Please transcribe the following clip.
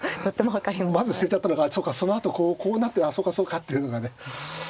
まず捨てちゃったのがそうかそのあとこうこうなってあそうかそうかっていうのがね。